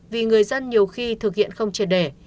vì người dân nhiều khi thực hiện không triệt để